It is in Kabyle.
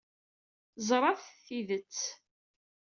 Ẓṛat tidett.